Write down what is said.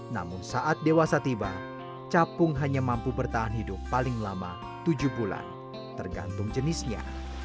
namun saat dewasa tiba capung hanya mampu bertahan hidup paling lama tujuh bulan tergantung jenisnya